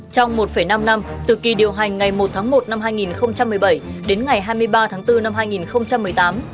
trong một năm năm từ kỳ điều hành ngày một tháng một năm hai nghìn một mươi bảy đến ngày hai mươi ba tháng bốn năm hai nghìn một mươi tám